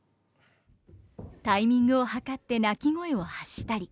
タイミングを計って鳴き声を発したり。